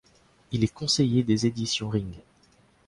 Il est conseiller des éditions Ring.